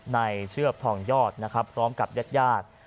ในเชือบท่องยอดพร้อมกับแยกยาด